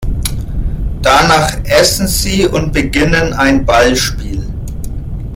Danach essen sie und beginnen ein Ballspiel.